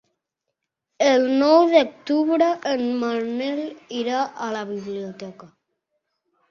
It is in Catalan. El nou d'octubre en Manel irà a la biblioteca.